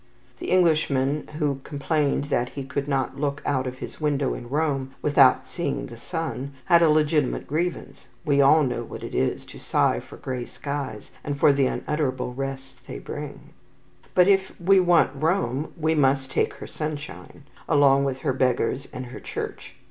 The Englishman who complained that he could not look out of his window in Rome without seeing the sun, had a legitimate grievance (we all know what it is to sigh for grey skies, and for the unutterable rest they bring); but if we want Rome, we must take her sunshine, along with her beggars and her Church.